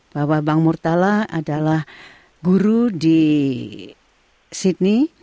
bahwa bang murtala adalah guru di sydney